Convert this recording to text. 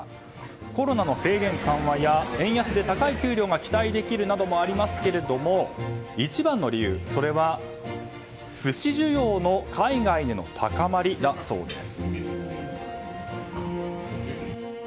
コロナの制限緩和や円安で高い給料が期待できるなどもありますけども一番の理由は寿司需要の海外での高まりだそうです。